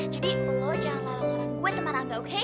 jadi lo jangan larang larang gue sama rangga oke